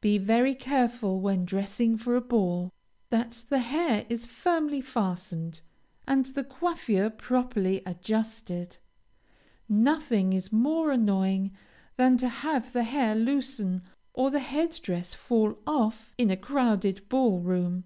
Be very careful, when dressing for a ball, that the hair is firmly fastened, and the coiffure properly adjusted. Nothing is more annoying than to have the hair loosen or the head dress fall off in a crowded ball room.